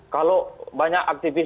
kalau banyak aktivis